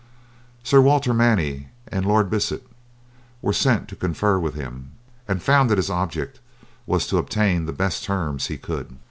Sir Walter Manny and Lord Bisset were sent to confer with him, and found that his object was to obtain the best terms he could.